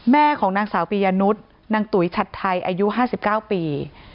แม่ของนางสาวปียะนุษย์นางตุ๋ยชัดไทยอายุห้าสิบเก้าปี